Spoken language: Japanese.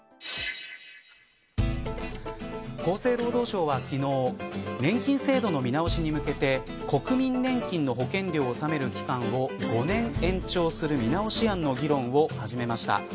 厚生労働省は昨日年金制度の見直しに向けて国民年金の保険料を納める期間を５年延長する見直し案の議論を始めました。